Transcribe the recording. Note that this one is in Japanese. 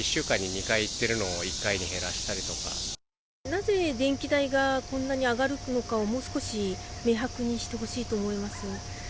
なぜ電気代がこんなに上がるのかをもう少し明白にしてほしいと思います。